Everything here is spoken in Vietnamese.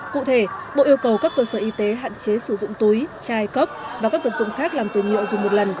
cụ thể bộ yêu cầu các cơ sở y tế hạn chế sử dụng túi chai cốc và các vật dụng khác làm từ nhựa dùng một lần